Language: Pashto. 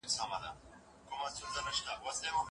د استقامت لرل انسان د ټولنې لپاره ګټور کوي.